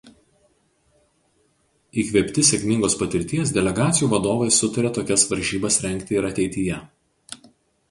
Įkvėpti sėkmingos patirties delegacijų vadovai sutarė tokias varžybas rengti ir ateityje.